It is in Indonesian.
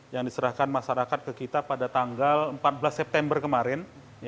yang diserahkan masyarakat ke kita pada tanggal empat belas september kemarin